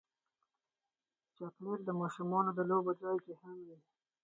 چاکلېټ د ماشومانو د لوبو ځای کې هم وي.